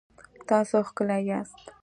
تاسو ښکلي یاست